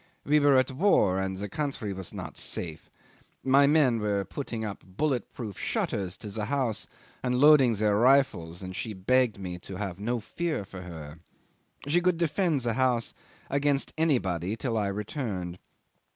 We were at war, and the country was not safe; my men were putting up bullet proof shutters to the house and loading their rifles, and she begged me to have no fear for her. She could defend the house against anybody till I returned.